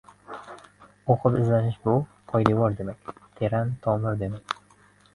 O‘qib-izlanish bu — poydevor demak, teran tomir demak.